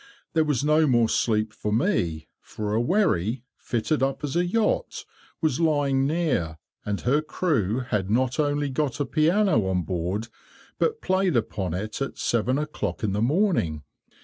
There was no more sleep for me, for a wherry, fitted up as a yacht, was lying near, and her crew had not only got a piano on board, but played upon it at seven o'clock in the morning.